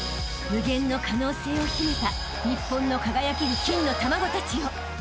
［無限の可能性の秘めた日本の輝ける金の卵たちよ］